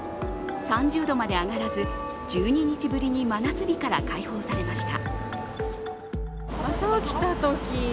３０度まで上がらず、１２日ぶりに真夏日から解放されました。